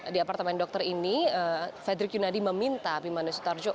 di apartemen dokter ini fredrik yunadi meminta bimanes sutarjo